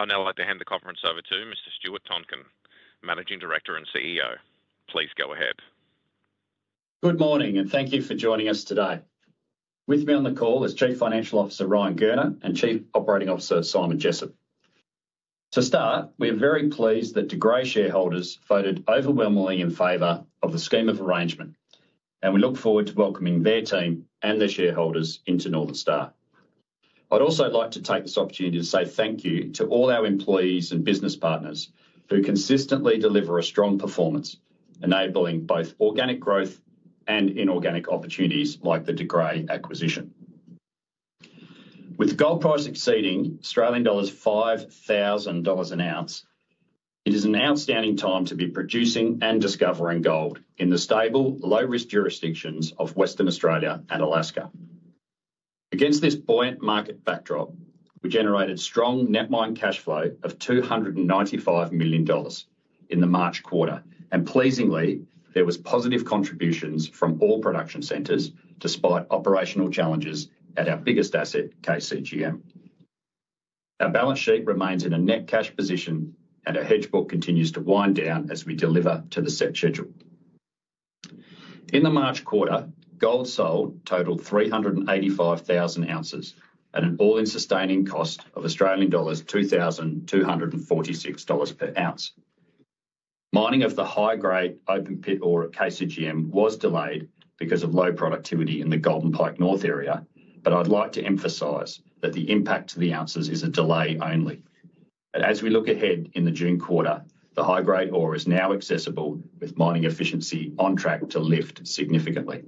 I'll now like to hand the conference over to Mr. Stuart Tonkin, Managing Director and CEO. Please go ahead. Good morning, and thank you for joining us today. With me on the call is Chief Financial Officer Ryan Gurner and Chief Operating Officer Simon Jessop. To start, we are very pleased that De Grey shareholders voted overwhelmingly in favor of the scheme of arrangement, and we look forward to welcoming their team and their shareholders into Northern Star. I'd also like to take this opportunity to say thank you to all our employees and business partners who consistently deliver a strong performance, enabling both organic growth and inorganic opportunities like the De Grey acquisition. With gold price exceeding Australian dollars 5,000 an ounce, it is an outstanding time to be producing and discovering gold in the stable, low-risk jurisdictions of Western Australia and Alaska. Against this buoyant market backdrop, we generated strong net-mined cash flow of 295 million dollars in the March quarter, and pleasingly, there were positive contributions from all production centres despite operational challenges at our biggest asset, KCGM. Our balance sheet remains in a net cash position, and our hedge book continues to wind down as we deliver to the set schedule. In the March quarter, gold sold totaled 385,000 ounces, at an all-in sustaining cost of Australian dollars 2,246 per ounce. Mining of the high-grade open-pit ore at KCGM was delayed because of low productivity in the Golden Pike North area, but I'd like to emphasize that the impact to the ounces is a delay only. As we look ahead in the June quarter, the high-grade ore is now accessible, with mining efficiency on track to lift significantly.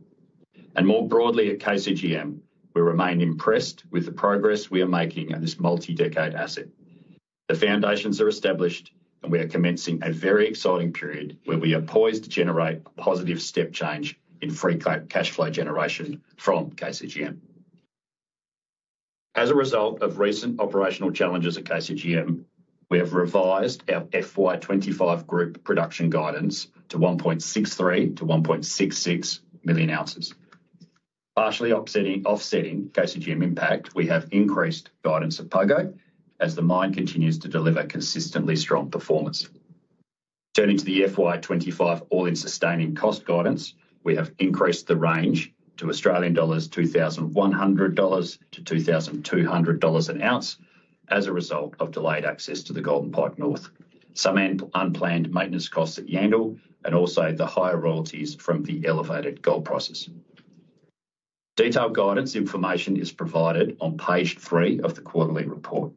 More broadly at KCGM, we remain impressed with the progress we are making at this multi-decade asset. The foundations are established, and we are commencing a very exciting period where we are poised to generate a positive step change in free cash flow generation from KCGM. As a result of recent operational challenges at KCGM, we have revised our FY2025 group production guidance to 1.63-1.66 million ounces. Partially offsetting KCGM impact, we have increased guidance at Pogo as the mine continues to deliver consistently strong performance. Turning to the FY2025 all-in sustaining cost guidance, we have increased the range to Australian dollars 2,100-2,200 an ounce as a result of delayed access to Golden Pike North, some unplanned maintenance costs at Yandal, and also the higher royalties from the elevated gold prices. Detailed guidance information is provided on page three of the quarterly report.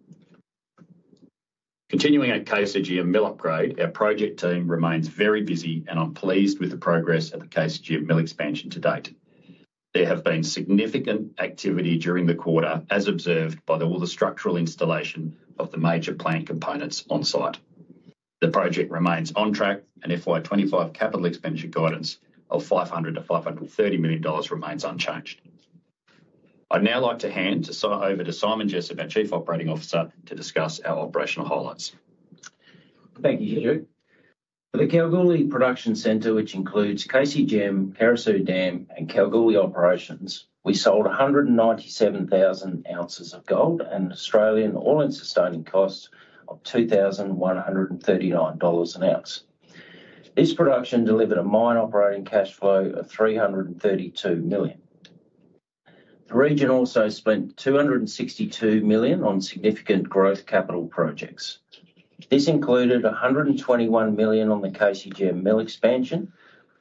Continuing at KCGM mill upgrade, our project team remains very busy, and I'm pleased with the progress at the KCGM mill expansion to date. There has been significant activity during the quarter, as observed by all the structural installation of the major plant components on site. The project remains on track, and FY2025 capital expenditure guidance of 500 million-530 million dollars remains unchanged. I'd now like to hand over to Simon Jessop, our Chief Operating Officer, to discuss our operational highlights. Thank you, Stu. For the Kalgoorlie production centre, which includes KCGM, Carosue Dam, and Kalgoorlie operations, we sold 197,000 ounces of gold and Australian all-in sustaining costs of 2,139 dollars an ounce. This production delivered a mine operating cash flow of 332 million. The region also spent 262 million on significant growth capital projects. This included 121 million on the KCGM mill expansion,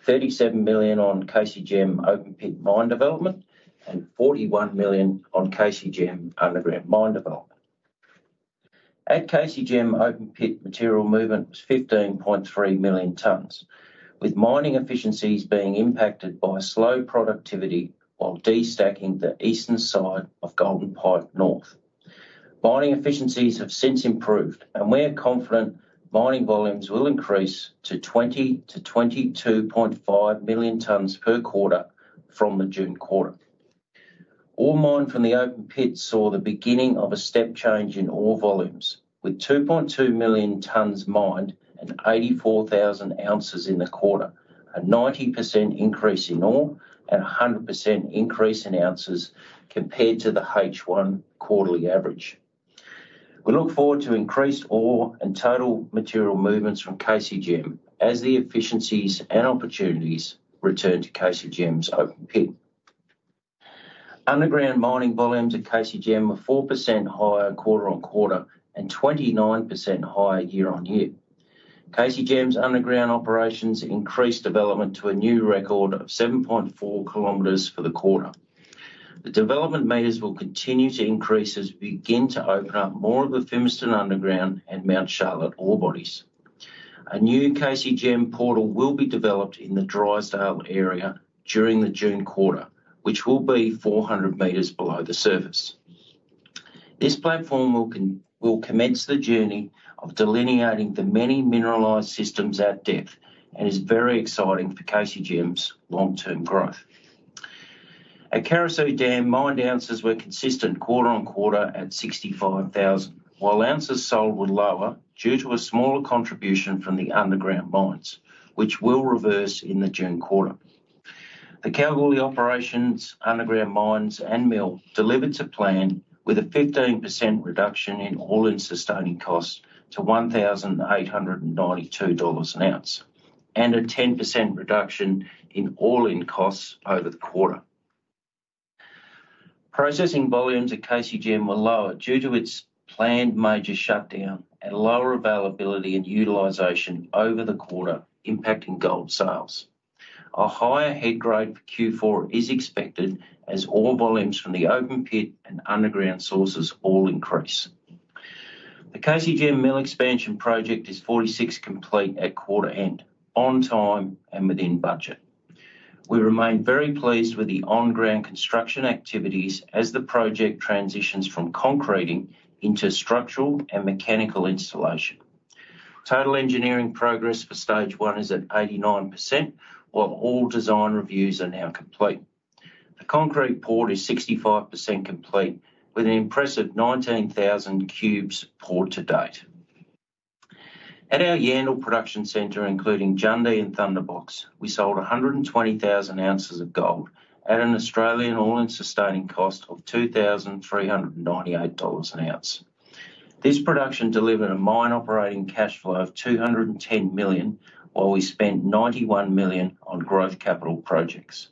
37 million on KCGM open-pit mine development, and 41 million on KCGM underground mine development. At KCGM, open-pit material movement was 15.3 million tonnes, with mining efficiencies being impacted by slow productivity while destacking the eastern side of Golden Pike North. Mining efficiencies have since improved, and we are confident mining volumes will increase to 20-22.5 million tonnes per quarter from the June quarter. All mined from the open-pit saw the beginning of a step change in ore volumes, with 2.2 million tonnes mined and 84,000 ounces in the quarter, a 90% increase in ore and a 100% increase in ounces compared to the H1 quarterly average. We look forward to increased ore and total material movements from KCGM as the efficiencies and opportunities return to KCGM's open-pit. Underground mining volumes at KCGM were 4% higher quarter on quarter and 29% higher year on year. KCGM's underground operations increased development to a new record of 7.4 kilometers for the quarter. The development meters will continue to increase as we begin to open up more of the Fimiston Underground and Mount Charlotte ore bodies. A new KCGM portal will be developed in the Drysdale area during the June quarter, which will be 400 meters below the surface. This platform will commence the journey of delineating the many mineralised systems at depth and is very exciting for KCGM's long-term growth. At Carosue Dam, mined ounces were consistent quarter on quarter at 65,000, while ounces sold were lower due to a smaller contribution from the underground mines, which will reverse in the June quarter. The Kalgoorlie operations, underground mines, and mill delivered to plan with a 15% reduction in all-in sustaining costs to 1,892 dollars an ounce and a 10% reduction in all-in costs over the quarter. Processing volumes at KCGM were lower due to its planned major shutdown and lower availability and utilisation over the quarter, impacting gold sales. A higher head grade for Q4 is expected as ore volumes from the open-pit and underground sources all increase. The KCGM mill expansion project is 46% complete at quarter end, on time and within budget. We remain very pleased with the on-ground construction activities as the project transitions from concreting into structural and mechanical installation. Total engineering progress for stage one is at 89%, while all design reviews are now complete. The concrete pour is 65% complete, with an impressive 19,000 cubes poured to date. At our Yandal production centre, including Jundee and Thunderbox, we sold 120,000 ounces of gold at an Australian all-in sustaining cost of 2,398 dollars an ounce. This production delivered a mine operating cash flow of 210 million, while we spent 91 million on growth capital projects.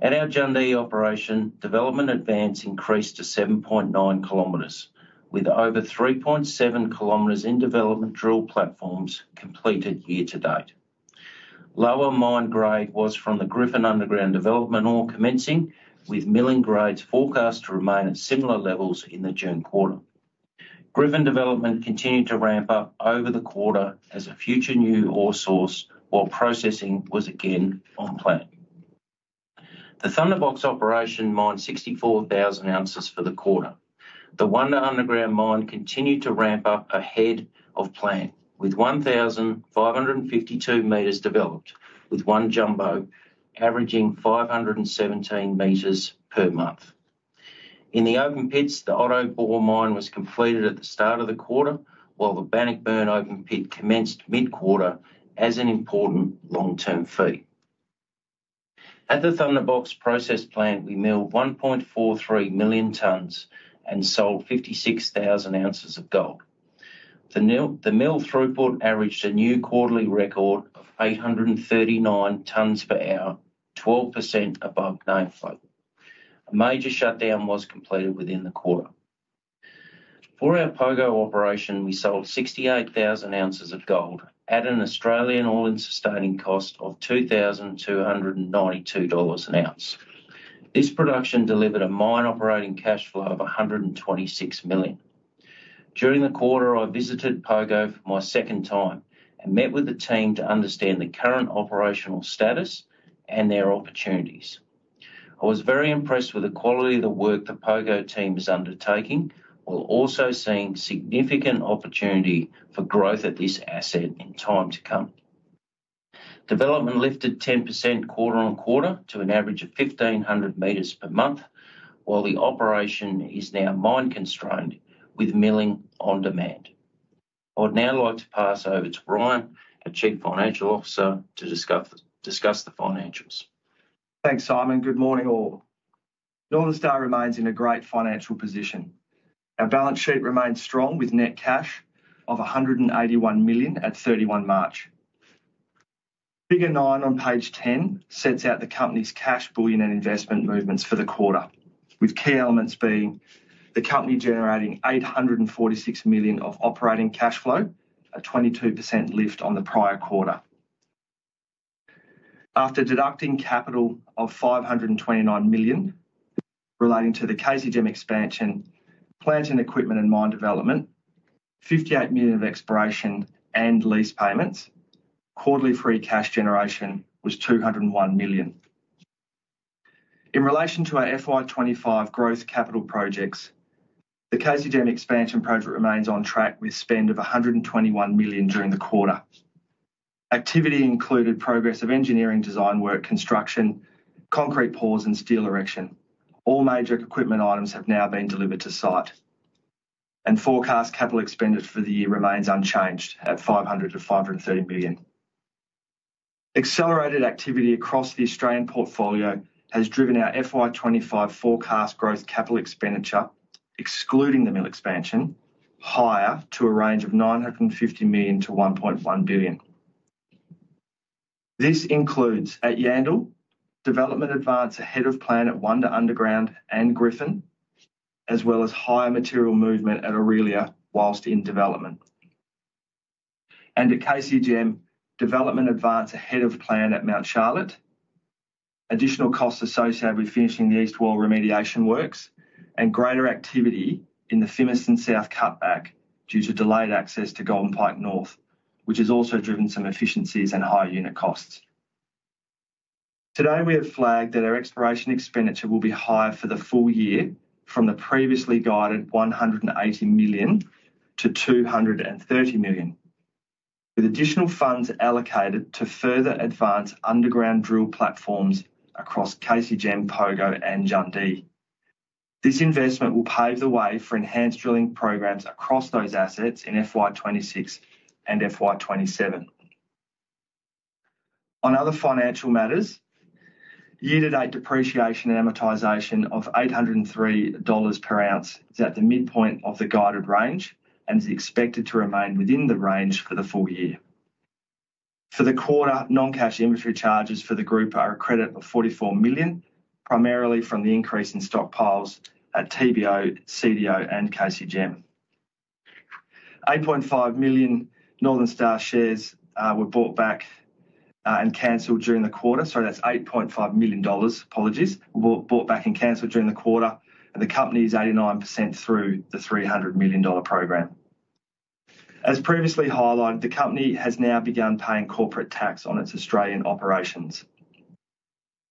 At our Jundee operation, development advance increased to 7.9 km, with over 3.7 km in development drill platforms completed year to date. Lower mine grade was from the Griffin Underground development ore commencing, with milling grades forecast to remain at similar levels in the June quarter. Griffin development continued to ramp up over the quarter as a future new ore source, while processing was again on plan. The Thunderbox operation mined 64,000 ounces for the quarter. The Wonder Underground mine continued to ramp up ahead of plan, with 1,552 meters developed, with one jumbo averaging 517 meters per month. In the open-pits, the Otto Bore mine was completed at the start of the quarter, while the Bannockburn open-pit commenced mid-quarter as an important long-term feed. At the Thunderbox process plant, we milled 1.43 million tonnes and sold 56,000 ounces of gold. The mill throughput averaged a new quarterly record of 839 tonnes per hour, 12% above nameplate. A major shutdown was completed within the quarter. For our Pogo operation, we sold 68,000 ounces of gold at an Australian all-in sustaining cost of 2,292 dollars an ounce. This production delivered a mine operating cash flow of 126 million. During the quarter, I visited Pogo for my second time and met with the team to understand the current operational status and their opportunities. I was very impressed with the quality of the work the Pogo team is undertaking, while also seeing significant opportunity for growth at this asset in time to come. Development lifted 10% quarter on quarter to an average of 1,500 meters per month, while the operation is now mine-constrained with milling on demand. I would now like to pass over to Ryan, our Chief Financial Officer, to discuss the financials. Thanks, Simon. Good morning, all. Northern Star remains in a great financial position. Our balance sheet remains strong with net cash of 181 million at 31 March. Figure 9 on page 10 sets out the company's cash, bullion, and investment movements for the quarter, with key elements being the company generating 846 million of operating cash flow, a 22% lift on the prior quarter. After deducting capital of 529 million relating to the KCGM expansion, plant and equipment and mine development, 58 million of exploration and lease payments, quarterly free cash generation was 201 million. In relation to our FY25 growth capital projects, the KCGM expansion project remains on track with spend of 121 million during the quarter. Activity included progress of engineering design work, construction, concrete pours, and steel erection. All major equipment items have now been delivered to site, and forecast capital expenditure for the year remains unchanged at 500 million-530 million. Accelerated activity across the Australian portfolio has driven our FY2025 forecast growth capital expenditure, excluding the mill expansion, higher to a range of 950 million-1.1 billion. This includes, at Yandal, development advance ahead of plan at Wonder Underground and Griffin, as well as higher material movement at Orelia whilst in development. At KCGM, development advance ahead of plan at Mount Charlotte, additional costs associated with finishing the east wall remediation works, and greater activity in the Fimiston South cutback due to delayed access to Golden Pike North, which has also driven some efficiencies and higher unit costs. Today, we have flagged that our exploration expenditure will be higher for the full year from the previously guided 180 million to 230 million, with additional funds allocated to further advance underground drill platforms across KCGM, Pogo, and Jundee. This investment will pave the way for enhanced drilling programs across those assets in FY26 and FY27. On other financial matters, year-to-date depreciation and amortization of $803 per ounce is at the midpoint of the guided range and is expected to remain within the range for the full year. For the quarter, non-cash inventory charges for the group are a credit of 44 million, primarily from the increase in stockpiles at TBO, CDO, and KCGM. 8.5 million Northern Star shares were bought back and cancelled during the quarter. Sorry, that's 8.5 million dollars, apologies, were bought back and cancelled during the quarter, and the company is 89% through the 300 million dollar program. As previously highlighted, the company has now begun paying corporate tax on its Australian operations.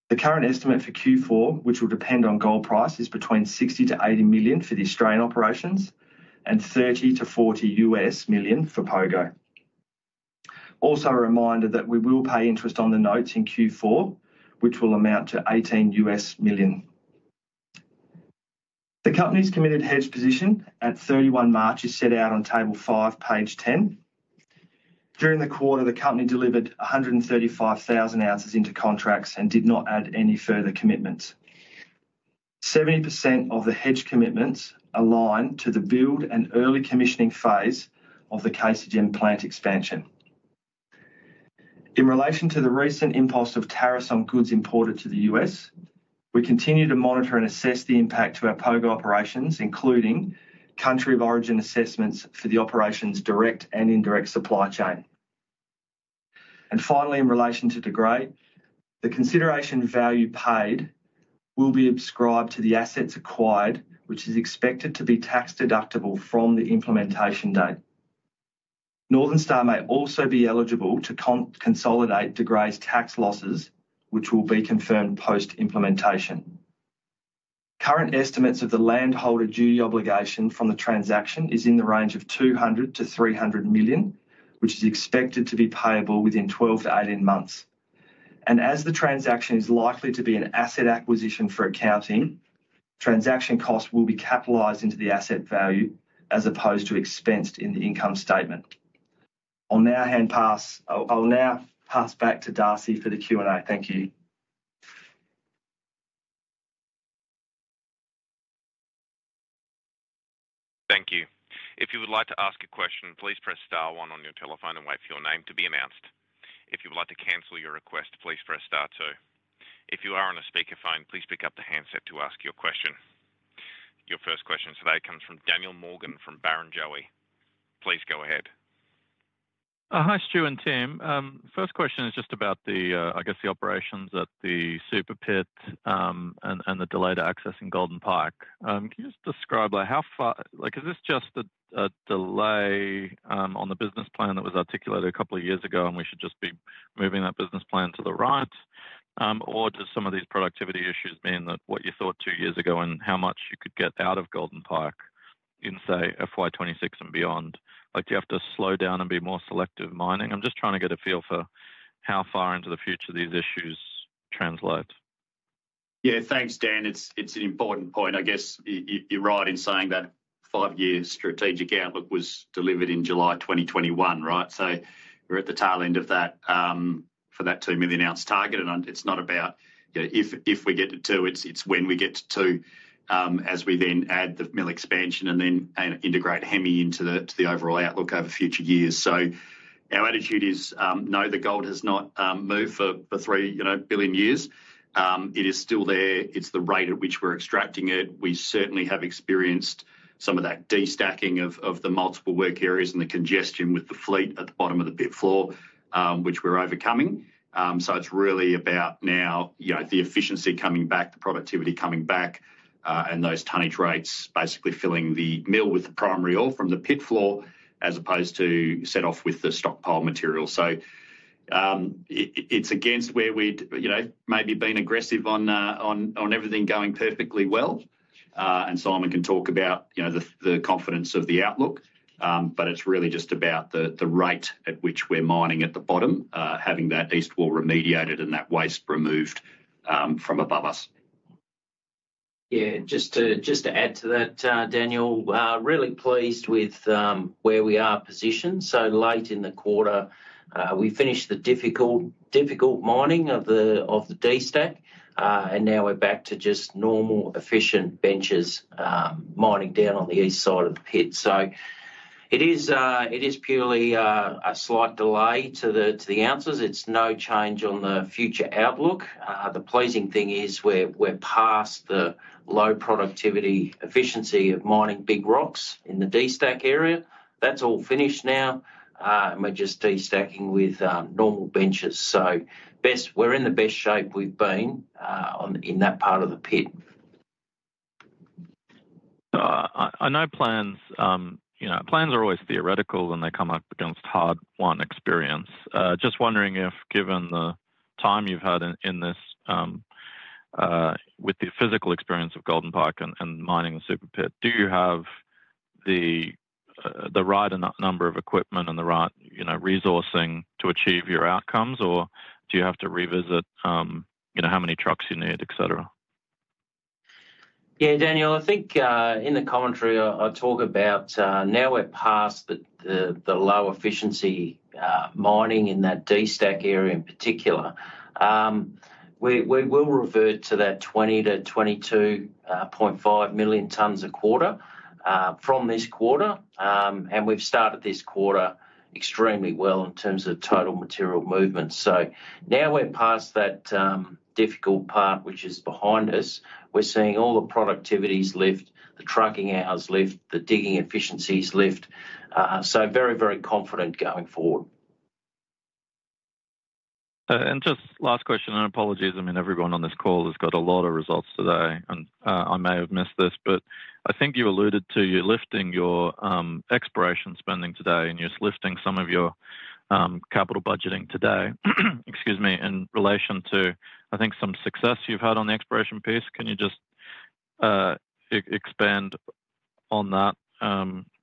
The current estimate for Q4, which will depend on gold price, is between 60 million-80 million for the Australian operations and 30 million-40 million for Pogo. Also, a reminder that we will pay interest on the notes in Q4, which will amount to $18 million. The company's committed hedge position at 31 March is set out on table five, page 10. During the quarter, the company delivered 135,000 ounces into contracts and did not add any further commitments. 70% of the hedge commitments align to the build and early commissioning phase of the KCGM plant expansion. In relation to the recent impulse of tariffs on goods imported to the U.S., we continue to monitor and assess the impact to our Pogo operations, including country of origin assessments for the operation's direct and indirect supply chain. Finally, in relation to De Grey, the consideration value paid will be ascribed to the assets acquired, which is expected to be tax deductible from the implementation date. Northern Star may also be eligible to consolidate De Grey tax losses, which will be confirmed post-implementation. Current estimates of the landholder duty obligation from the transaction are in the range of 200 million-300 million, which is expected to be payable within 12 to 18 months. As the transaction is likely to be an asset acquisition for accounting, transaction costs will be capitalized into the asset value as opposed to expensed in the income statement. I'll now pass back to Darcy for the Q&A. Thank you. Thank you. If you would like to ask a question, please press star one on your telephone and wait for your name to be announced. If you would like to cancel your request, please press star two. If you are on a speakerphone, please pick up the handset to ask your question. Your first question today comes from Daniel Morgan from Barrenjoey. Please go ahead. Hi, Stu and team. First question is just about the, I guess, the operations at the Super Pit and the delayed access in Golden Pike. Can you just describe how far is this just a delay on the business plan that was articulated a couple of years ago, and we should just be moving that business plan to the right? Or do some of these productivity issues mean that what you thought two years ago and how much you could get out of Golden Pike in, say, FY2026 and beyond? Do you have to slow down and be more selective mining? I'm just trying to get a feel for how far into the future these issues translate. Yeah, thanks, Dan. It's an important point. I guess you're right in saying that five-year strategic outlook was delivered in July 2021, right? We are at the tail end of that for that two million ounce target. It's not about if we get to two, it's when we get to two as we then add the mill expansion and then integrate Hemi into the overall outlook over future years. Our attitude is, no, the gold has not moved for three billion years. It is still there. It's the rate at which we're extracting it. We certainly have experienced some of that destacking of the multiple work areas and the congestion with the fleet at the bottom of the pit floor, which we're overcoming. It is really about now the efficiency coming back, the productivity coming back, and those tonnage rates basically filling the mill with the primary ore from the pit floor as opposed to set off with the stockpile material. It is against where we had maybe been aggressive on everything going perfectly well. Simon can talk about the confidence of the outlook, but it is really just about the rate at which we are mining at the bottom, having that east wall remediated and that waste removed from above us. Yeah, just to add to that, Daniel, really pleased with where we are positioned. Late in the quarter, we finished the difficult mining of the destack, and now we're back to just normal efficient benches mining down on the east side of the pit. It is purely a slight delay to the ounces. It's no change on the future outlook. The pleasing thing is we're past the low productivity efficiency of mining big rocks in the destack area. That's all finished now, and we're just destacking with normal benches. We're in the best shape we've been in that part of the pit. I know plans are always theoretical when they come up against hard-won experience. Just wondering if, given the time you've had in this with the physical experience of Golden Pike and mining the super pit, do you have the right number of equipment and the right resourcing to achieve your outcomes, or do you have to revisit how many trucks you need, etc.? Yeah, Daniel, I think in the commentary I'll talk about now we're past the low efficiency mining in that destack area in particular. We will revert to that 20-22.5 million tonnes a quarter from this quarter, and we've started this quarter extremely well in terms of total material movement. Now we're past that difficult part, which is behind us. We're seeing all the productivities lift, the trucking hours lift, the digging efficiencies lift. Very, very confident going forward. Just last question, and apologies. I mean, everyone on this call has got a lot of results today. I may have missed this, but I think you alluded to you lifting your exploration spending today and you're lifting some of your capital budgeting today, excuse me, in relation to, I think, some success you've had on the exploration piece. Can you just expand on that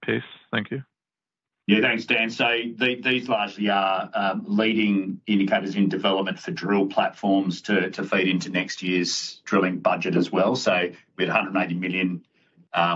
piece? Thank you. Yeah, thanks, Dan. These largely are leading indicators in development for drill platforms to feed into next year's drilling budget as well. We had 180 million.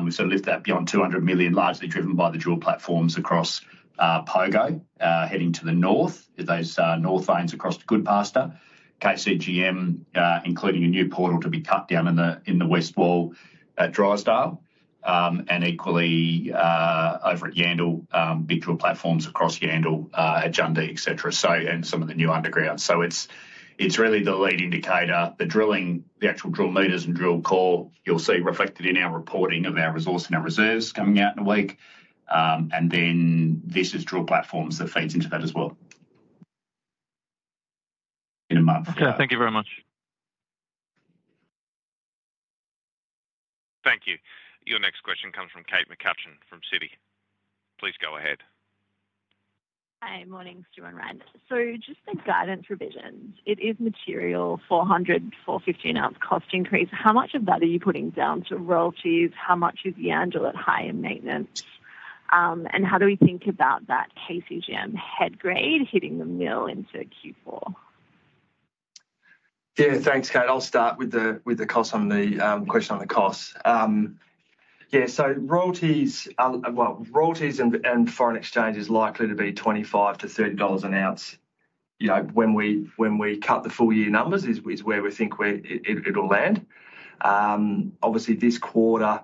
We've sort of lifted that beyond 200 million, largely driven by the drill platforms across Pogo, heading to the north, those north veins across Goodpaster, KCGM, including a new portal to be cut down in the west wall at Drystyle, and equally over at Yandal, big drill platforms across Yandal, Jundee, etc., and some of the new underground. It's really the lead indicator. The drilling, the actual drill meters and drill core, you'll see reflected in our reporting of our resource and our reserves coming out in a week. This is drill platforms that feeds into that as well in a month. Okay, thank you very much. Thank you. Your next question comes from Kate McCutcheon from Citi. Please go ahead. Hi, morning, Stu and Ryan. Just the guidance revisions. It is material for a $115 ounce cost increase. How much of that are you putting down to royalties? How much is Yandal at high in maintenance? How do we think about that KCGM head grade hitting the mill into Q4? Yeah, thanks, Kate. I'll start with the question on the cost. Yeah, so royalties, well, royalties and foreign exchange is likely to be 25-30 dollars an ounce. When we cut the full year numbers is where we think it'll land. Obviously, this quarter,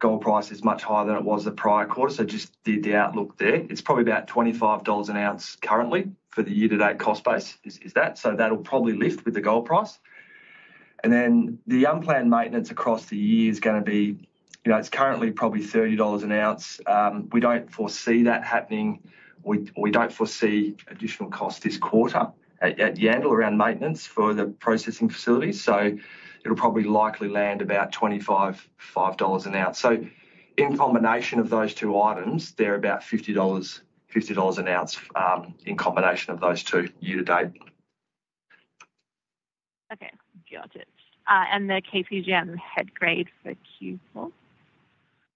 gold price is much higher than it was the prior quarter, just the outlook there. It's probably about 25 dollars an ounce currently for the year-to-date cost base, is that? That'll probably lift with the gold price. The unplanned maintenance across the year is going to be, it's currently probably 30 dollars an ounce. We don't foresee that happening. We don't foresee additional costs this quarter at Yandal around maintenance for the processing facilities. It'll probably likely land about 25 dollars, AUD 5 an ounce. In combination of those two items, they're about $50 an ounce in combination of those two year-to-date. Okay, got it. The KCGM head grade for Q4?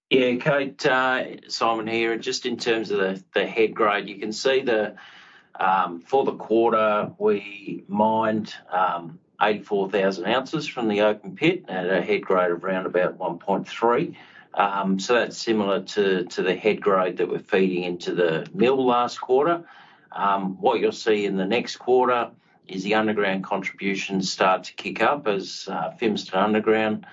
Yeah, Kate, Simon here. Just in terms of the head grade, you can see for the quarter, we mined 84,000 ounces from the open pit at a head grade of around about 1.3. That is similar to the head grade that we were feeding into the mill last quarter. What you will see in the next quarter is the underground contributions start to kick up as Fimiston underground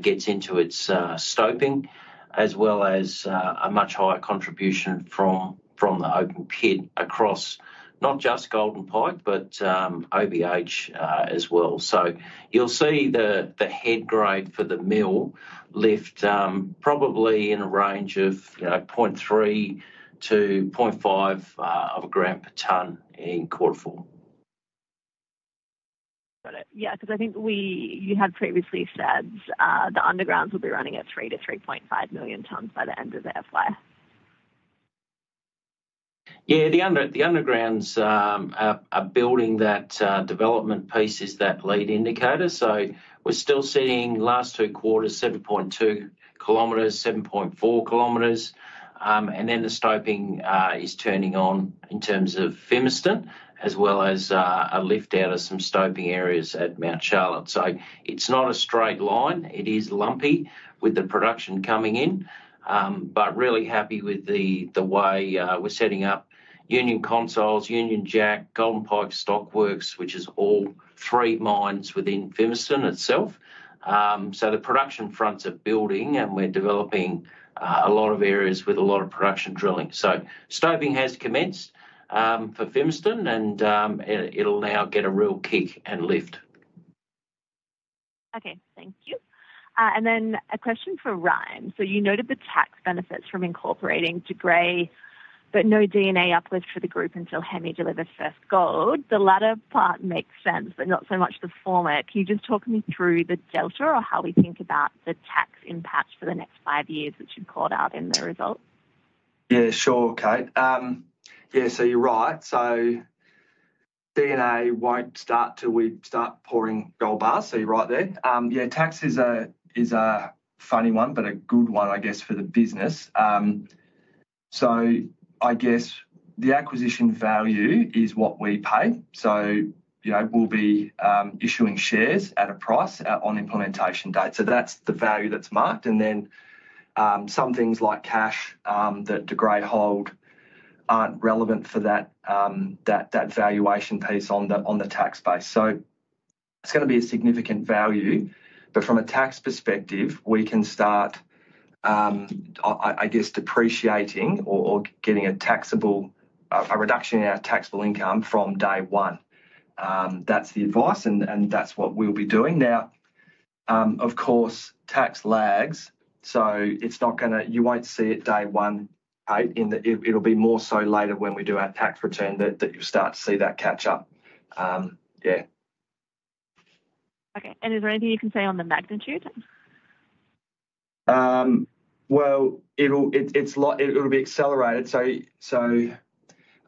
gets into its stoping, as well as a much higher contribution from the open pit across not just Golden Pike North, but OBH as well. You will see the head grade for the mill lift probably in a range of 0.3-0.5 of a gram per tonne in quarter four. Got it. Yeah, because I think you had previously said the undergrounds will be running at 3-3.5 million tonnes by the end of the FY. Yeah, the undergrounds are building that development piece as that lead indicator. We are still seeing last two quarters, 7.2 kilometers, 7.4 kilometers, and then the stoping is turning on in terms of Fimiston, as well as a lift out of some stoping areas at Mount Charlotte. It is not a straight line. It is lumpy with the production coming in, but really happy with the way we are setting up Union Consols, Union Jack, Golden Pike Stockworks, which is all three mines within Fimiston itself. The production fronts are building, and we are developing a lot of areas with a lot of production drilling. Stoping has commenced for Fimiston, and it will now get a real kick and lift. Okay, thank you. A question for Ryan. You noted the tax benefits from incorporating De Grey, but no DNA uplift for the group until Hemi delivers first gold. The latter part makes sense, but not so much the former. Can you just talk me through the delta or how we think about the tax impacts for the next five years, which you've called out in the results? Yeah, sure, Kate. Yeah, so you're right. DNA won't start till we start pouring gold bars. You're right there. Tax is a funny one, but a good one, I guess, for the business. I guess the acquisition value is what we pay. We'll be issuing shares at a price on implementation date. That's the value that's marked. Some things like cash that De Grey hold aren't relevant for that valuation piece on the tax base. It's going to be a significant value, but from a tax perspective, we can start, I guess, depreciating or getting a reduction in our taxable income from day one. That's the advice, and that's what we'll be doing. Now, of course, tax lags, so you won't see it day one, Kate. It'll be more so later when we do our tax return that you'll start to see that catch up. Yeah. Okay. Is there anything you can say on the magnitude? It'll be accelerated.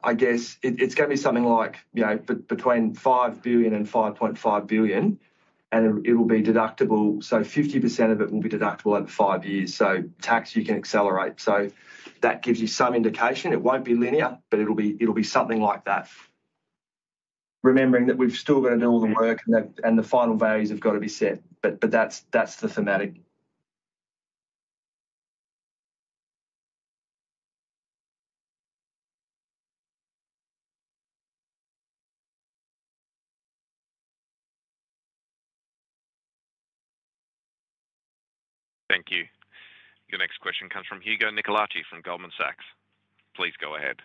I guess it's going to be something like between $5 billion and $5.5 billion, and it'll be deductible. 50% of it will be deductible over five years. Tax you can accelerate. That gives you some indication. It won't be linear, but it'll be something like that, remembering that we've still got to do all the work, and the final values have got to be set. That's the thematic. Thank you. Your next question comes from Hugo Nicolaci from Goldman Sachs. Please go ahead.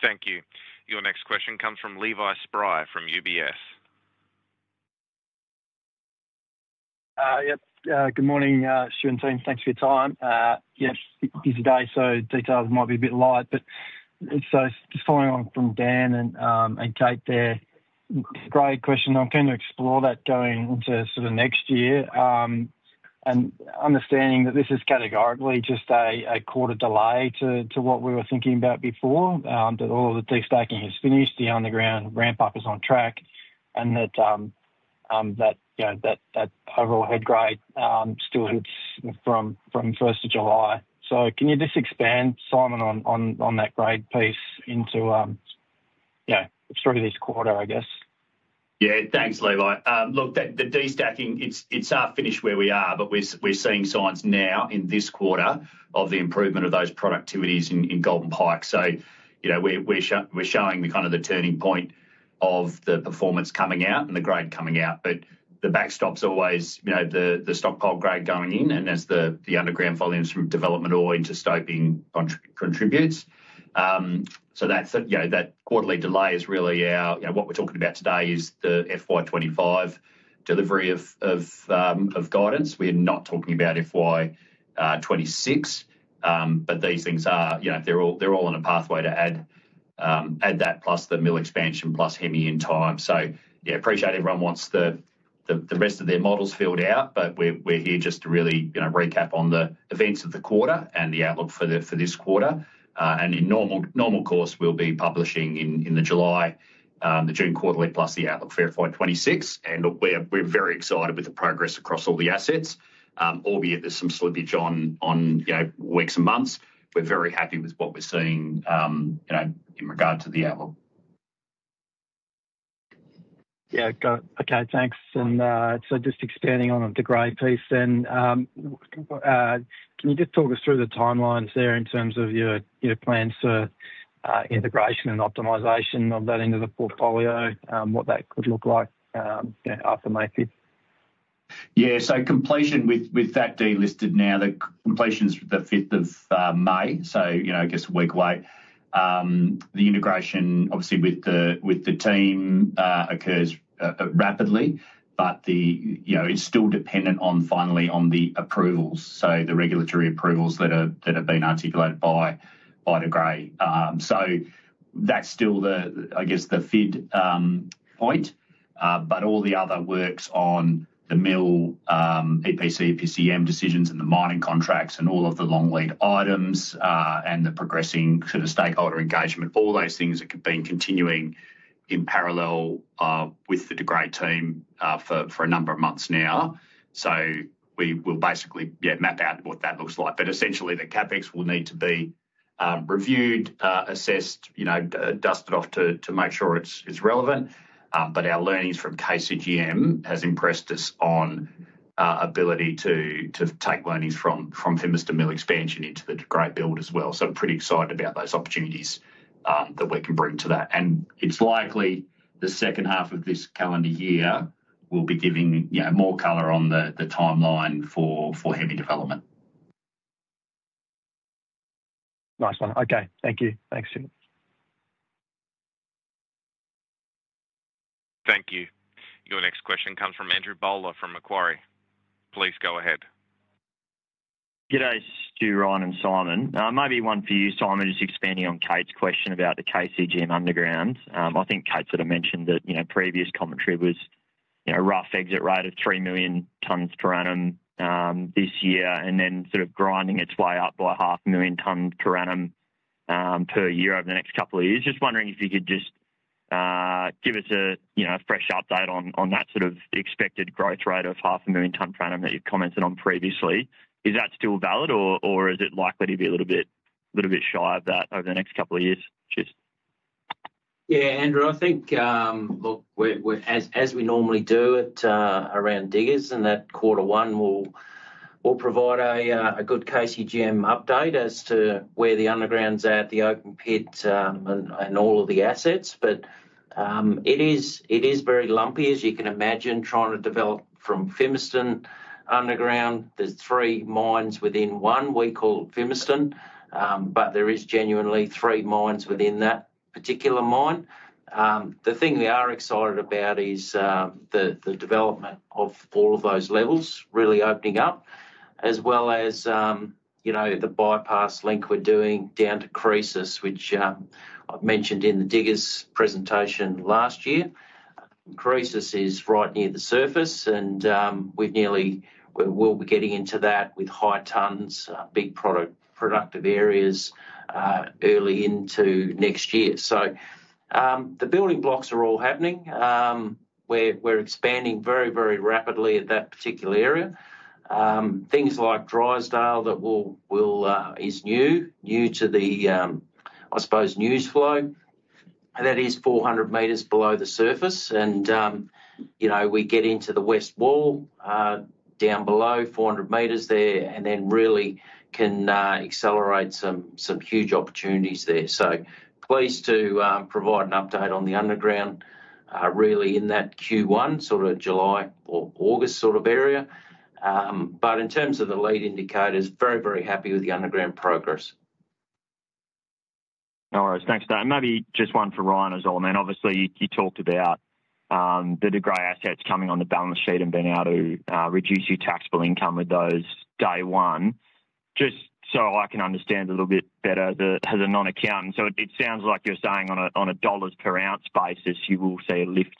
Thank you. Your next question comes from Levi Spry from UBS. Yep. Good morning, Stu and team. Thanks for your time. Yes, busy day, so details might be a bit light, but just following on from Dan and Kate there, great question. I'm keen to explore that going into sort of next year and understanding that this is categorically just a quarter delay to what we were thinking about before, that all of the destacking is finished, the underground ramp-up is on track, and that that overall head grade still hits from 1st of July. Can you just expand, Simon, on that grade piece through this quarter, I guess? Yeah, thanks, Levi. Look, the destacking, it's half-finished where we are, but we're seeing signs now in this quarter of the improvement of those productivities in Golden Pike. We're showing kind of the turning point of the performance coming out and the grade coming out. The backstop's always the stockpile grade going in, and that's the underground volumes from development all into stoping contributes. That quarterly delay is really our what we're talking about today is the FY2025 delivery of guidance. We're not talking about FY2026, but these things are they're all on a pathway to add that plus the mill expansion plus Hemi in time. Yeah, appreciate everyone wants the rest of their models filled out, but we're here just to really recap on the events of the quarter and the outlook for this quarter. In normal course, we'll be publishing in July, the June quarterly plus the outlook for FY26. We're very excited with the progress across all the assets, albeit there's some slippage on weeks and months. We're very happy with what we're seeing in regard to the outlook. Yeah, got it. Okay, thanks. Just expanding on the De Grey piece then, can you just talk us through the timelines there in terms of your plans for integration and optimization of that into the portfolio, what that could look like after May 5th? Yeah, so completion with that D listed now, the completion's the 5th of May, so I guess a week late. The integration, obviously, with the team occurs rapidly, but it's still dependent on finally on the approvals, so the regulatory approvals that have been articulated by De Grey. That's still, I guess, the FID point, but all the other works on the mill EPC, EPCM decisions and the mining contracts and all of the long lead items and the progressing sort of stakeholder engagement, all those things have been continuing in parallel with the De Grey team for a number of months now. We will basically map out what that looks like. Essentially, the CapEx will need to be reviewed, assessed, dusted off to make sure it's relevant. Our learnings from KCGM has impressed us on ability to take learnings from Fimiston mill expansion into the De Grey build as well. I'm pretty excited about those opportunities that we can bring to that. It's likely the second half of this calendar year will be giving more color on the timeline for Hemi development. Nice one. Okay, thank you. Thanks, Stu. Thank you. Your next question comes from Andrew Bowler from Macquarie. Please go ahead. Good day, Stu, Ryan, and Simon. Maybe one for you, Simon, just expanding on Kate's question about the KCGM underground. I think Kate sort of mentioned that previous commentary was a rough exit rate of 3 million tonnes per annum this year, and then sort of grinding its way up by 500,000 tonnes per annum per year over the next couple of years. Just wondering if you could just give us a fresh update on that sort of expected growth rate of 500,000 tonnes per annum that you've commented on previously. Is that still valid, or is it likely to be a little bit shy of that over the next couple of years? Yeah, Andrew, I think, look, as we normally do it around diggers in that quarter one, we'll provide a good KCGM update as to where the underground's at, the open pit, and all of the assets. It is very lumpy, as you can imagine, trying to develop from Fimiston underground. There are three mines within one we call Fimiston, but there are genuinely three mines within that particular mine. The thing we are excited about is the development of all of those levels really opening up, as well as the bypass link we're doing down to Creasy, which I've mentioned in the diggers presentation last year. Creasy is right near the surface, and we'll be getting into that with high tonnes, big productive areas early into next year. The building blocks are all happening. We're expanding very, very rapidly at that particular area. Things like Drysdale that is new, new to the, I suppose, news flow. That is 400 meters below the surface, and we get into the west wall down below 400 meters there and then really can accelerate some huge opportunities there. Pleased to provide an update on the underground really in that Q1, sort of July or August sort of area. In terms of the lead indicators, very, very happy with the underground progress. No worries. Thanks for that. Maybe just one for Ryan as well. I mean, obviously, you talked about the De Grey assets coming on the balance sheet and being able to reduce your taxable income with those day one. Just so I can understand a little bit better as a non-accountant. It sounds like you're saying on a dollars per ounce basis, you will see a lift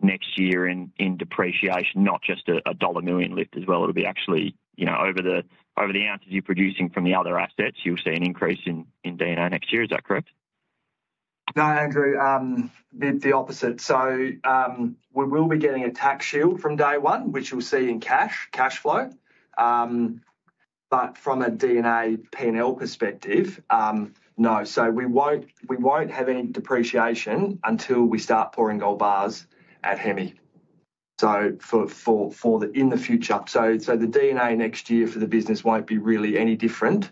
next year in depreciation, not just a dollar million lift as well. It'll be actually over the ounces you're producing from the other assets, you'll see an increase in D&A next year. Is that correct? No, Andrew, the opposite. We will be getting a tax shield from day one, which you'll see in cash flow. From a DNA P&L perspective, no. We won't have any depreciation until we start pouring gold bars at Hemi in the future. The DNA next year for the business won't be really any different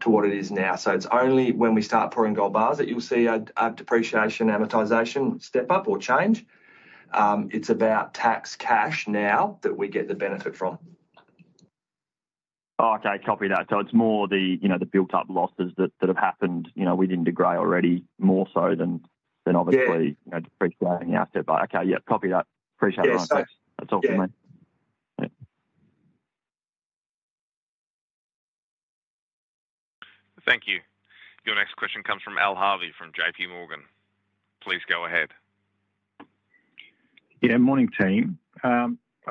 to what it is now. It is only when we start pouring gold bars that you'll see a depreciation amortization step up or change. It's about tax cash now that we get the benefit from. Oh, okay. Copy that. It is more the built-up losses that have happened within De Grey already more so than obviously depreciating the asset. Okay, yeah, copy that. Appreciate it. That is all from me. Thank you. Your next question comes from Ali Harvey from JPMorgan. Please go ahead. Yeah, morning, team. I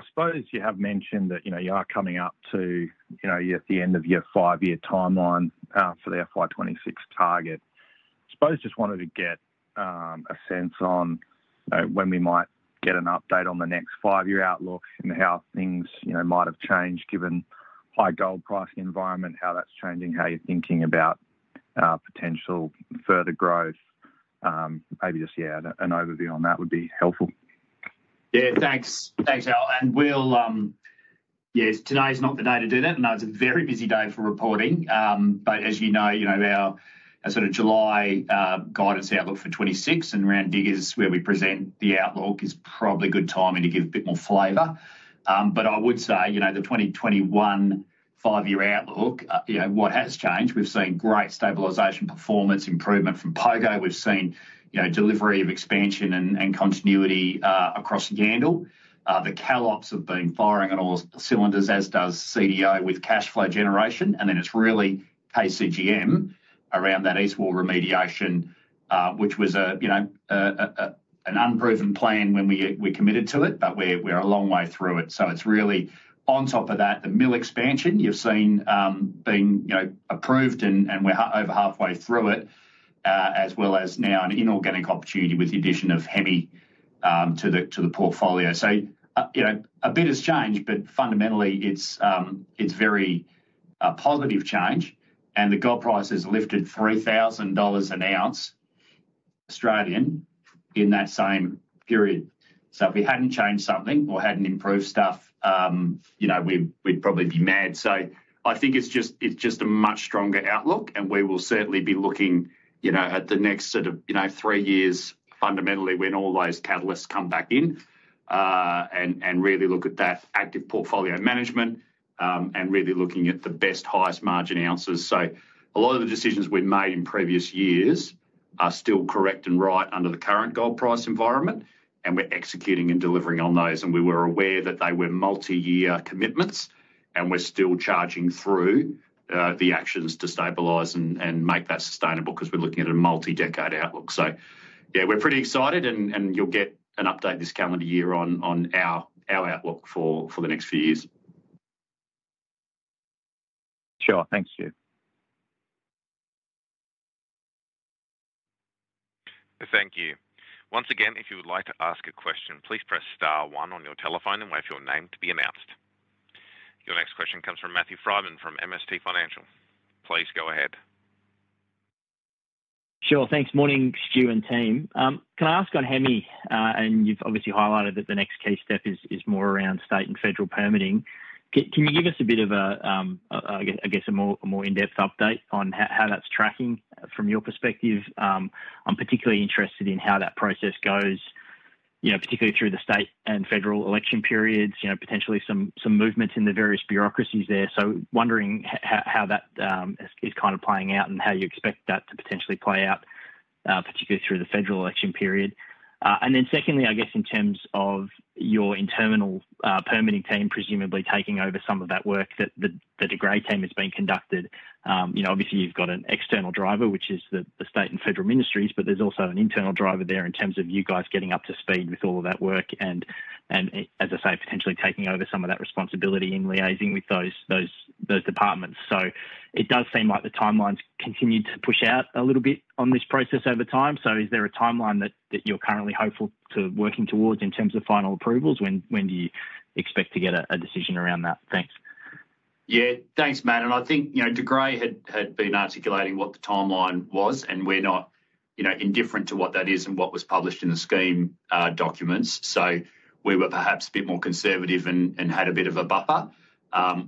suppose you have mentioned that you are coming up to the end of your five-year timeline for the FY26 target. I suppose just wanted to get a sense on when we might get an update on the next five-year outlook and how things might have changed given high gold pricing environment, how that's changing, how you're thinking about potential further growth. Maybe just, yeah, an overview on that would be helpful. Yeah, thanks. Thanks, Ali. Yeah, today is not the day to do that. I know it's a very busy day for reporting, but as you know, our sort of July guidance outlook for 2026 and around Diggers where we present the outlook is probably a good timing to give a bit more flavor. I would say the 2021 five-year outlook, what has changed? We've seen great stabilization, performance improvement from Pogo. We've seen delivery of expansion and continuity across Yandal. The Kalgoorlie operations have been firing on all cylinders, as does KCGM with cash flow generation. It's really KCGM around that east wall remediation, which was an unproven plan when we committed to it, but we're a long way through it. It's really on top of that, the mill expansion you've seen being approved, and we're over halfway through it, as well as now an inorganic opportunity with the addition of Hemi to the portfolio. A bit has changed, but fundamentally, it's very positive change. The gold price has lifted 3,000 dollars an ounce in that same period. If we hadn't changed something or hadn't improved stuff, we'd probably be mad. I think it's just a much stronger outlook, and we will certainly be looking at the next sort of three years fundamentally when all those catalysts come back in and really look at that active portfolio management and really looking at the best highest margin ounces. A lot of the decisions we made in previous years are still correct and right under the current gold price environment, and we're executing and delivering on those. We were aware that they were multi-year commitments, and we're still charging through the actions to stabilize and make that sustainable because we're looking at a multi-decade outlook. Yeah, we're pretty excited, and you'll get an update this calendar year on our outlook for the next few years. Sure. Thanks, Stu. Thank you. Once again, if you would like to ask a question, please press star one on your telephone and wait for your name to be announced. Your next question comes from Matthew Frydman from MST Financial. Please go ahead. Sure. Thanks. Morning, Stu and team. Can I ask on Hemi, and you've obviously highlighted that the next key step is more around state and federal permitting. Can you give us a bit of, I guess, a more in-depth update on how that's tracking from your perspective? I'm particularly interested in how that process goes, particularly through the state and federal election periods, potentially some movements in the various bureaucracies there. Wondering how that is kind of playing out and how you expect that to potentially play out, particularly through the federal election period. Secondly, I guess in terms of your internal permitting team presumably taking over some of that work that the De Grey team has been conducting. Obviously, you've got an external driver, which is the state and federal ministries, but there's also an internal driver there in terms of you guys getting up to speed with all of that work and, as I say, potentially taking over some of that responsibility in liaising with those departments. It does seem like the timelines continue to push out a little bit on this process over time. Is there a timeline that you're currently hopeful to working towards in terms of final approvals? When do you expect to get a decision around that? Thanks. Yeah, thanks, Matt. I think De Grey had been articulating what the timeline was, and we're not indifferent to what that is and what was published in the scheme documents. We were perhaps a bit more conservative and had a bit of a buffer,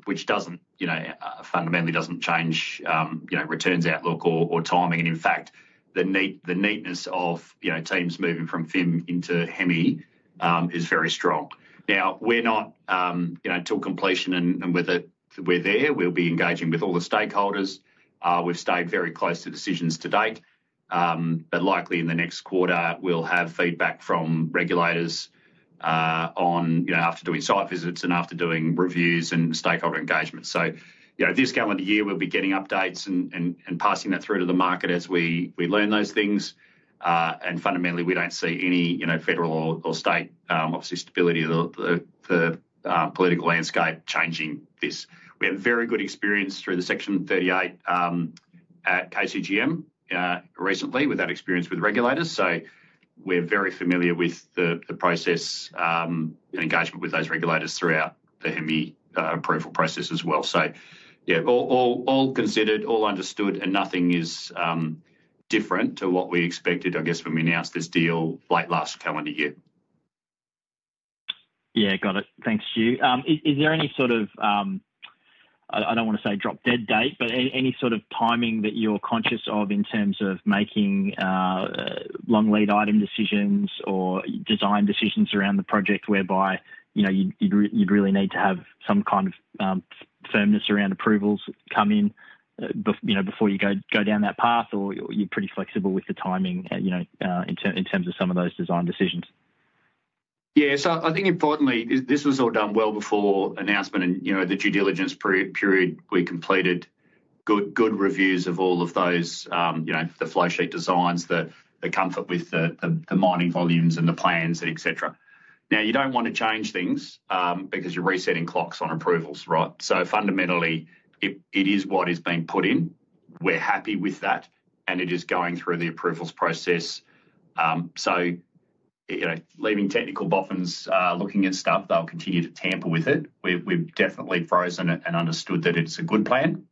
which fundamentally doesn't change returns outlook or timing. In fact, the neatness of teams moving from FIM into Hemi is very strong. Now, we're not till completion and we're there, we'll be engaging with all the stakeholders. We've stayed very close to decisions to date, but likely in the next quarter, we'll have feedback from regulators after doing site visits and after doing reviews and stakeholder engagement. This calendar year, we'll be getting updates and passing that through to the market as we learn those things. Fundamentally, we don't see any federal or state, obviously, stability of the political landscape changing this. We have very good experience through the Section 38 at KCGM recently with that experience with regulators. We are very familiar with the process and engagement with those regulators throughout the Hemi approval process as well. Yeah, all considered, all understood, and nothing is different to what we expected, I guess, when we announced this deal late last calendar year. Got it. Thanks, Stu. Is there any sort of, I don't want to say drop-dead date, but any sort of timing that you're conscious of in terms of making long lead item decisions or design decisions around the project whereby you'd really need to have some kind of firmness around approvals come in before you go down that path, or you're pretty flexible with the timing in terms of some of those design decisions? Yeah. I think importantly, this was all done well before announcement and the due diligence period we completed, good reviews of all of those, the flowsheet designs, the comfort with the mining volumes and the plans, etc. Now, you do not want to change things because you are resetting clocks on approvals, right? Fundamentally, it is what is being put in. We are happy with that, and it is going through the approvals process. Leaving technical boffins looking at stuff, they will continue to tamper with it. We have definitely frozen it and understood that it is a good plan,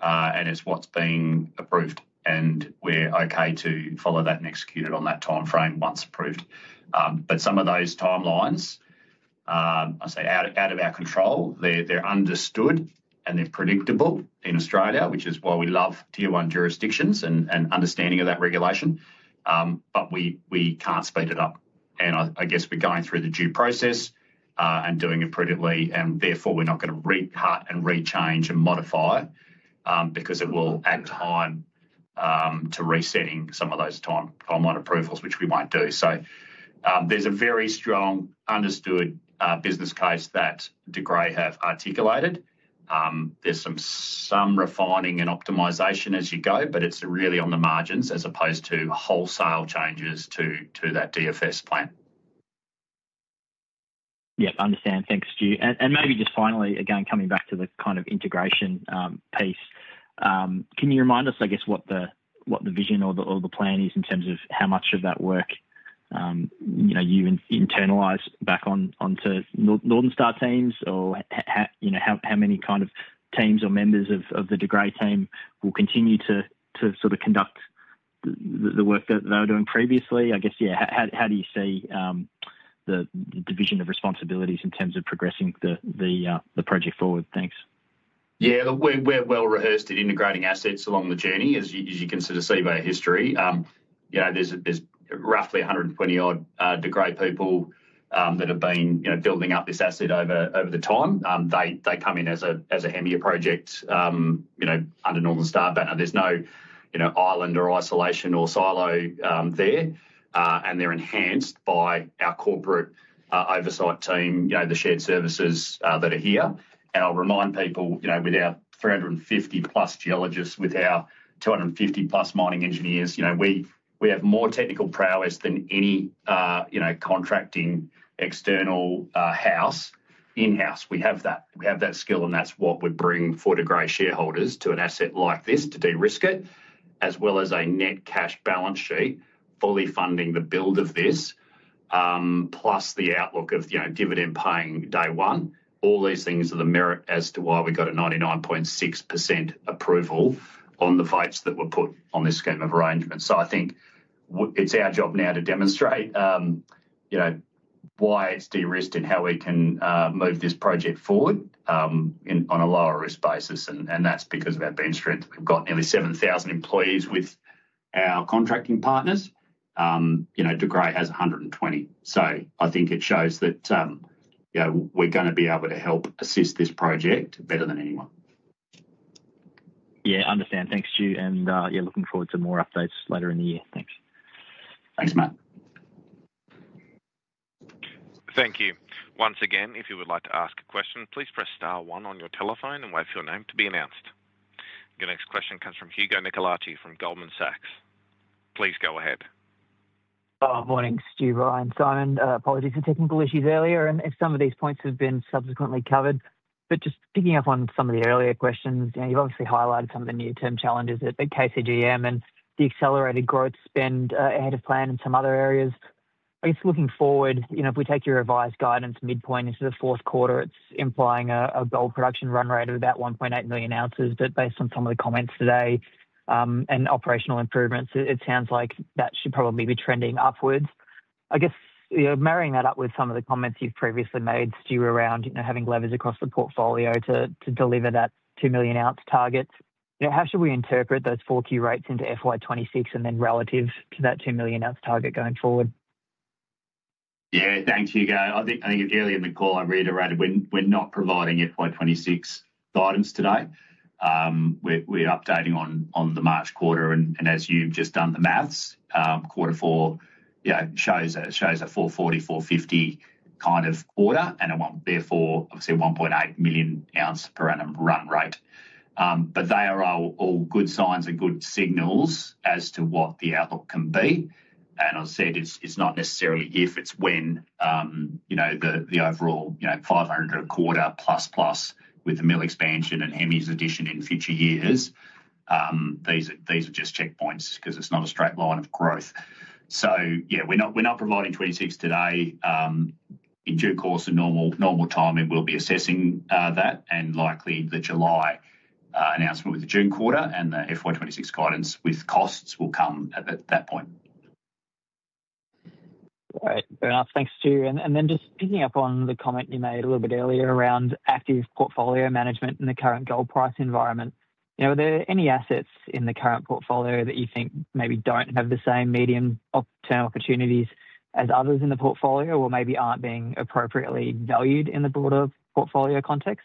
and it is what is being approved, and we are okay to follow that and execute it on that timeframe once approved. Some of those timelines, I say out of our control, they are understood and they are predictable in Australia, which is why we love tier one jurisdictions and understanding of that regulation, but we cannot speed it up. I guess we're going through the due process and doing it prudently, and therefore, we're not going to recut and rechange and modify because it will add time to resetting some of those time-honored approvals, which we won't do. There is a very strong understood business case that De Grey have articulated. There is some refining and optimisation as you go, but it's really on the margins as opposed to wholesale changes to that DFS plan. Yeah, understand. Thanks, Stu. Maybe just finally, again, coming back to the kind of integration piece, can you remind us, I guess, what the vision or the plan is in terms of how much of that work you internalise back onto Northern Star teams, or how many kind of teams or members of the De Grey team will continue to sort of conduct the work that they were doing previously? I guess, yeah, how do you see the division of responsibilities in terms of progressing the project forward? Thanks. Yeah, we're well-rehearsed at integrating assets along the journey, as you can sort of see by history. There's roughly 120-odd De Grey people that have been building up this asset over the time. They come in as a Hemi project under Northern Star banner. There's no island or isolation or silo there, and they're enhanced by our corporate oversight team, the shared services that are here. I'll remind people, with our 350-plus geologists, with our 250-plus mining engineers, we have more technical prowess than any contracting external house. In-house, we have that. We have that skill, and that's what we bring for De Grey shareholders to an asset like this to de-risk it, as well as a net cash balance sheet fully funding the build of this, plus the outlook of dividend paying day one. All these things are the merit as to why we got a 99.6% approval on the votes that were put on this scheme of arrangement. I think it's our job now to demonstrate why it's de-risked and how we can move this project forward on a lower-risk basis. That's because of our bench strength. We've got nearly 7,000 employees with our contracting partners. De Grey has 120. I think it shows that we're going to be able to help assist this project better than anyone. Yeah, understand. Thanks, Stu. Yeah, looking forward to more updates later in the year. Thanks. Thanks, Matt. Thank you. Once again, if you would like to ask a question, please press star one on your telephone and wait for your name to be announced. Your next question comes from Hugo Nicolaci from Goldman Sachs. Please go ahead. Morning, Stu. Ryan, Simon. Apologies for technical issues earlier and if some of these points have been subsequently covered. Just picking up on some of the earlier questions, you've obviously highlighted some of the new term challenges at KCGM and the accelerated growth spend ahead of plan in some other areas. I guess looking forward, if we take your revised guidance midpoint into the fourth quarter, it's implying a gold production run rate of about 1.8 million ounces. Based on some of the comments today and operational improvements, it sounds like that should probably be trending upwards. I guess marrying that up with some of the comments you've previously made, Stu, around having levers across the portfolio to deliver that 2 million-ounce target, how should we interpret those four key rates into FY2026 and then relative to that 2 million-ounce target going forward? Yeah, thanks, Hugo. I think earlier in the call, I reiterated we're not providing FY2026 guidance today. We're updating on the March quarter, and as you've just done the maths, quarter four shows a 440-450 kind of quarter, and therefore, obviously, 1.8 million ounce per annum run rate. They are all good signs and good signals as to what the outlook can be. As I said, it's not necessarily if, it's when the overall 500-quarter plus-plus with the mill expansion and Hemi's addition in future years. These are just checkpoints because it's not a straight line of growth. Yeah, we're not providing 2026 today. In due course and normal time, we'll be assessing that and likely the July announcement with the June quarter and the FY2026 guidance with costs will come at that point. Right. Fair enough. Thanks, Stu. Just picking up on the comment you made a little bit earlier around active portfolio management in the current gold price environment, are there any assets in the current portfolio that you think maybe do not have the same medium-term opportunities as others in the portfolio or maybe are not being appropriately valued in the broader portfolio context?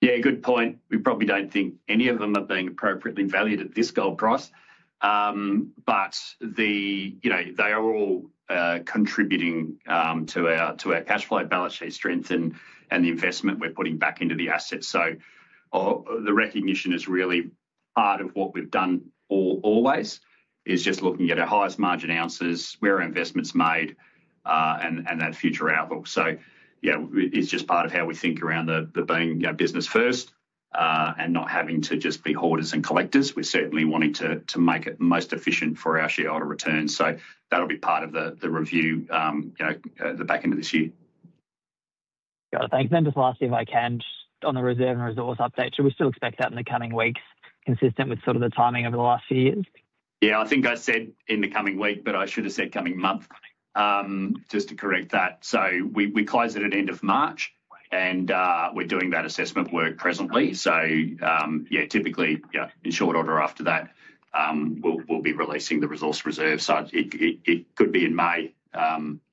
Yeah, good point. We probably don't think any of them are being appropriately valued at this gold price, but they are all contributing to our cash flow balance sheet strength and the investment we're putting back into the assets. The recognition is really part of what we've done always is just looking at our highest margin ounces, where our investment's made, and that future outlook. Yeah, it's just part of how we think around the being business-first and not having to just be hoarders and collectors. We're certainly wanting to make it most efficient for our shareholder returns. That'll be part of the review at the back end of this year. Got it. Thanks. Just lastly, if I can, just on the reserve and resource update, should we still expect that in the coming weeks, consistent with sort of the timing over the last few years? Yeah, I think I said in the coming week, but I should have said coming month, just to correct that. We close it at the end of March, and we're doing that assessment work presently. Yeah, typically, in short order after that, we'll be releasing the resource reserve. It could be in May,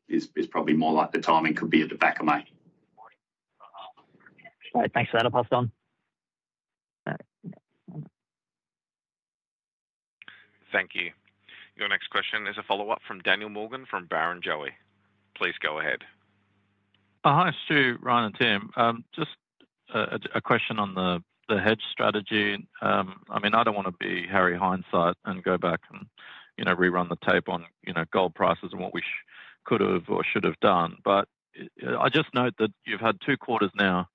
is probably more like the timing, could be at the back of May. Right. Thanks for that. Thank you. Your next question is a follow-up from Daniel Morgan from Barrenjoey. Please go ahead. Hi, Stu, Ryan and team. Just a question on the hedge strategy. I mean, I don't want to be Harry Hindsight and go back and rerun the tape on gold prices and what we could have or should have done. I just note that you've had two quarters now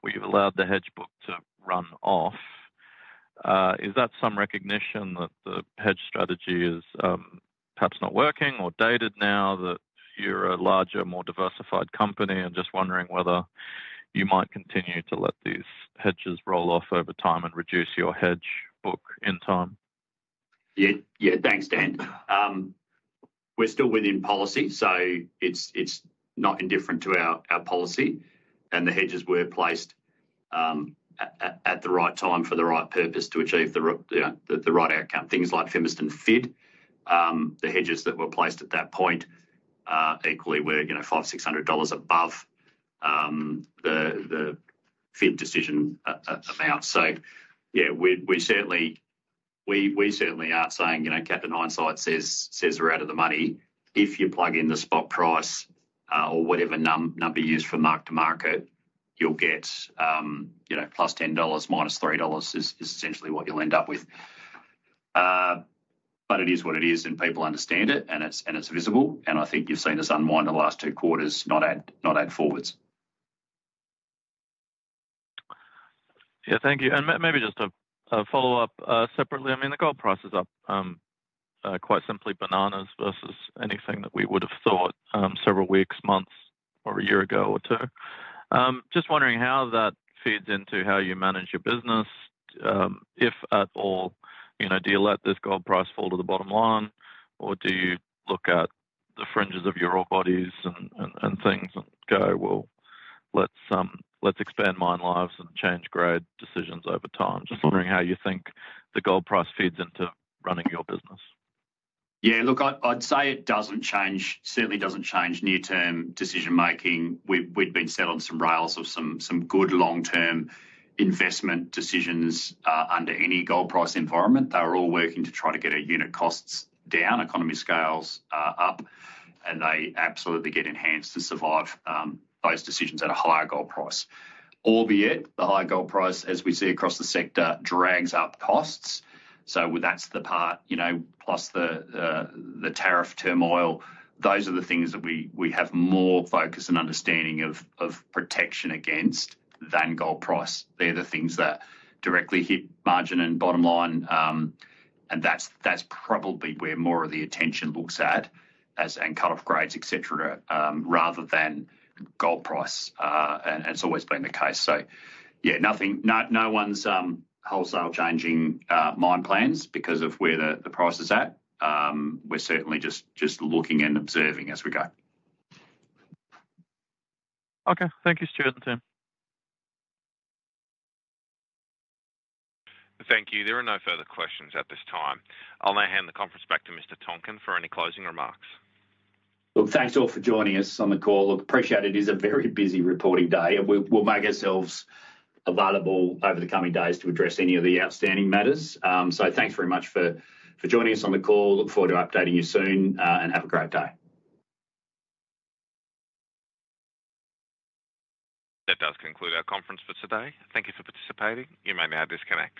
where you've allowed the hedge book to run off. Is that some recognition that the hedge strategy is perhaps not working or dated now that you're a larger, more diversified company? I'm just wondering whether you might continue to let these hedges roll off over time and reduce your hedge book in time. Yeah, thanks, Dan. We're still within policy, so it's not indifferent to our policy. The hedges were placed at the right time for the right purpose to achieve the right outcome. Things like Fimiston FID, the hedges that were placed at that point equally were $500-$600 above the FID decision amount. Yeah, we certainly aren't saying Captain Hindsight says we're out of the money. If you plug in the spot price or whatever number used for mark-to-market, you'll get plus $10, minus $3 is essentially what you'll end up with. It is what it is, and people understand it, and it's visible. I think you've seen us unwind the last two quarters, not add forwards. Yeah, thank you. Maybe just a follow-up separately. I mean, the gold price is up, quite simply, bananas versus anything that we would have thought several weeks, months, or a year ago or two. Just wondering how that feeds into how you manage your business. If at all, do you let this gold price fall to the bottom line, or do you look at the fringes of your ore bodies and things and go, "Well, let's expand mine lives and change grade decisions over time"? Just wondering how you think the gold price feeds into running your business. Yeah, look, I'd say it doesn't change, certainly doesn't change near-term decision-making. We've been set on some rails of some good long-term investment decisions under any gold price environment. They're all working to try to get our unit costs down, economies of scale up, and they absolutely get enhanced to survive those decisions at a higher gold price. Albeit, the high gold price, as we see across the sector, drags up costs. That's the part, plus the tariff turmoil. Those are the things that we have more focus and understanding of protection against than gold price. They're the things that directly hit margin and bottom line. That's probably where more of the attention looks at and cut-off grades, etc., rather than gold price, and it's always been the case. Yeah, no one's wholesale changing mine plans because of where the price is at. We're certainly just looking and observing as we go. Okay. Thank you, Stuart and Tim. Thank you. There are no further questions at this time. I'll now hand the conference back to Mr. Tonkin for any closing remarks. Look, thanks all for joining us on the call. Appreciate it. It is a very busy reporting day. We'll make ourselves available over the coming days to address any of the outstanding matters. Thanks very much for joining us on the call. Look forward to updating you soon and have a great day. That does conclude our conference for today. Thank you for participating. You may now disconnect.